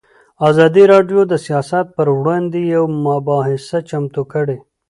ازادي راډیو د سیاست پر وړاندې یوه مباحثه چمتو کړې.